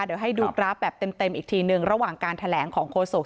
เดี๋ยวให้ดูกราฟแบบเต็มอีกทีหนึ่งระหว่างการแถลงของโฆษก